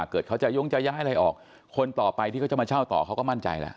เกิดเขาจะย้งจะย้ายอะไรออกคนต่อไปที่เขาจะมาเช่าต่อเขาก็มั่นใจแล้ว